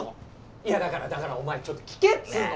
いやだからだからお前ちょっと聞けっつーの！